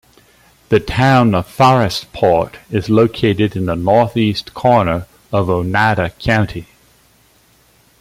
The Town of Forestport is located in the northeast corner of Oneida County.